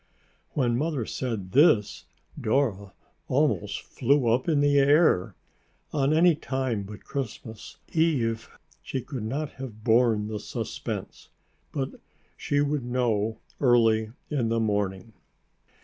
When Mother said this Dora almost flew up in the air. On any time but Christmas eve, she could not have borne the suspense. But she would know early in the morning.